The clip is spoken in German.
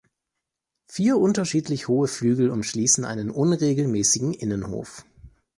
Vier unterschiedlich hohe Flügel umschließen einen unregelmäßigen Innenhof.